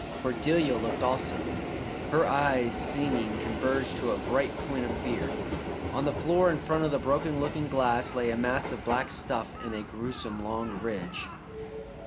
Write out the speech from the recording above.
Cordelia looked also, her eyes seeming converged to a bright point of fear. On the floor in front of the broken looking glass lay a mass of black stuff in a grewsome long ridge.